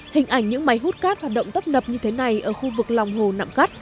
hình ảnh những máy hút cát hoạt động tấp nập như thế này ở khu vực lòng hồ nậm cắt